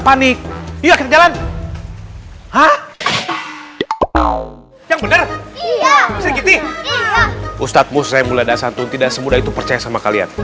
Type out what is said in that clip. panik iya jalan hah yang bener iya jadi ustadz musim mulia santun tidak semudah itu percaya sama kalian